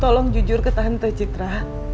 tolong jujur ke tante citra